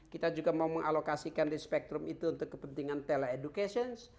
kita juga mau mengalokasikan di spektrum itu untuk kepentingan tele educations